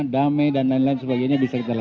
damai dan lain lain sebagainya bisa kita lakukan